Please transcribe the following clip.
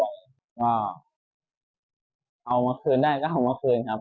เอามาคืนได้ก็เอามาคืนครับ